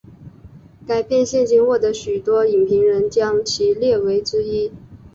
该片现今获得许多影评人将其列为之一。